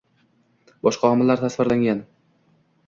boshqa olimlar tasvirlangan.